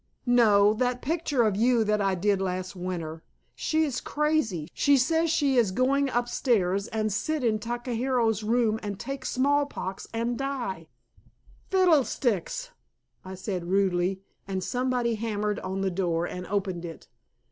"No, that picture of you that I did last winter. She is crazy she says she is going upstairs and sit in Takahiro's room and take smallpox and die." "Fiddlesticks!" I said rudely, and somebody hammered on the door and opened it.